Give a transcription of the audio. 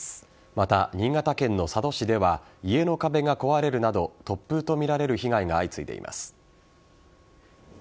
また、新潟県の佐渡市では家の壁が壊れるなど突風とみられる被害が相次いでいます。